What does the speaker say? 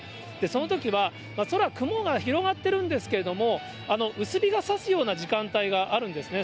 そのときは空、雲が広がってるんですけれども、薄日がさすような時間帯があるんですね。